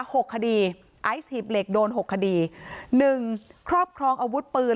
หกคดีไอซ์หีบเหล็กโดนหกคดีหนึ่งครอบครองอาวุธปืน